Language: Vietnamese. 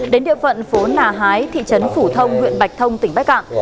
đến địa phận phố nà hái thị trấn phủ thông huyện bạch thông tỉnh bắc cạn